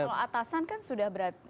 kalau atasan kan sudah berat